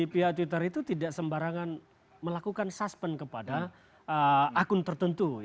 pihak twitter itu tidak sembarangan melakukan suspend kepada akun tertentu